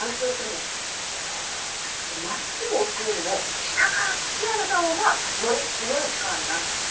真っすぐ押すよりも下から突き上げたほうがより強い力になるって。